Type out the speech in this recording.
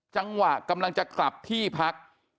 จังหวะกำลังจะกลับที่พัก